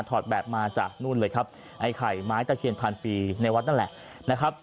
แบบมาจากนู่นเลยครับไอ้ไข่ไม้ตะเคียนพันปีในวัดนั่นแหละนะครับ